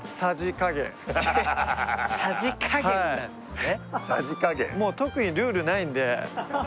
さじ加減なんですね